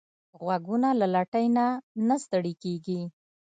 غوږونه له لټۍ نه نه ستړي کېږي